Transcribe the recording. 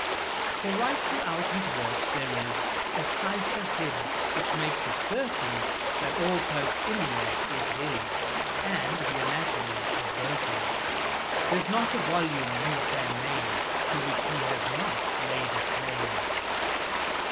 For right throughout his works there is A cipher hid, which makes it certain That all Pope's "Iliad" is his, And the "Anatomy" of Burton; There's not a volume you can name To which he has not laid a claim.